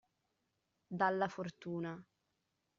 Dalla fortuna.